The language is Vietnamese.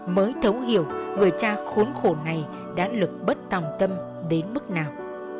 mới thấu hiểu người cha khốn khổ này đã lực bất tòng tâm đến mức nào